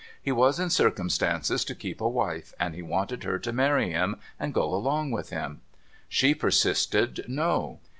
He was in circumstances to keep a wife, and he wanted her to marry him and go along with him. She persisted, no.